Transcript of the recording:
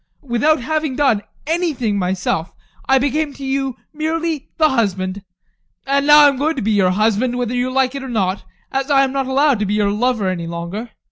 Without having done anything myself, I became to you merely the husband. And now I am going to be your husband whether you like it or not, as I am not allowed to be your lover any longer.